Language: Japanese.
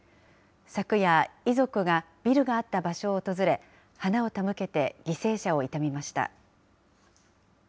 昨夜、遺族がビルがあった場所を訪れ、花を手向けて犠牲者を悼みました。